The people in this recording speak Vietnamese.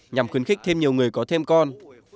nhằm khuyến khích thêm nhiều người có thêm con